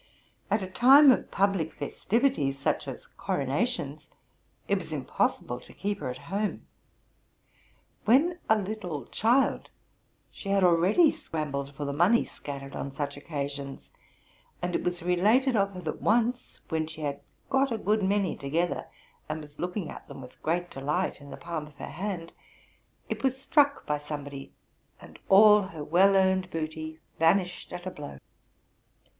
At a time of publie festivities, such as coronations, it was impossible to keep her at home. When a little child, she had already scrambled for the money scattered on such occasions ; and it was related of her, that once when she had got a good many together, and was looking at them with great delight in the palm of her hand, it was struck by somebody, and all her well earned booty vanished at a blow.